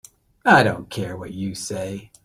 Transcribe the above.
I don't care what you say.